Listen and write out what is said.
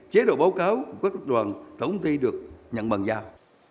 chế độ báo cáo của các tập đoàn thống tin được nhận bằng giao